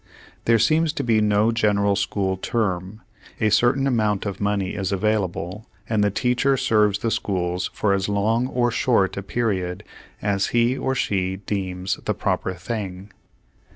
There seems to be no general school term. A certain amount of money is available, and the teacher serves the schools for as long or short a period as he or she deems the proper thing.